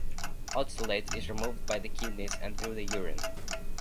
Oxalate is removed by the kidneys and through the urine.